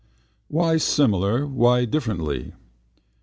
Why similarly, why differently?